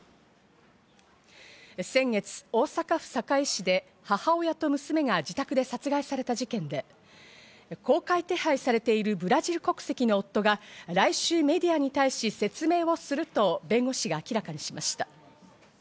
先月、大阪府堺市で母親と娘が自宅で殺害された事件で、公開手配されているブラジル国籍の夫が来週メディアに対し、説明をすると弁護士が明らかにしました。